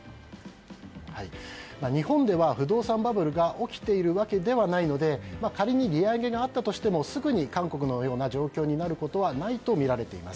日本では不動産バブルが起きているわけではないので仮に利上げがあったとしてもすぐに韓国のような状況になることはないとみられています。